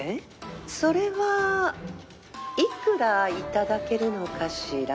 それは幾ら頂けるのかしら。